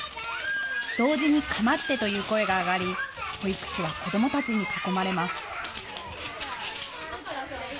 同時にかまってという声が上がり保育士は子どもたちに囲まれます。